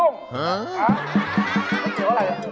ไม่เกี่ยวอะไร